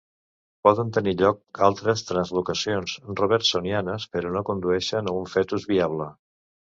Poden tenir lloc altres translocacions robertsonianes, però no condueixen a un fetus viable.